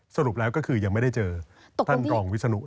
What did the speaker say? สรุปแล้วก็คือยังไม่ได้เจอท่านรองวิศนุ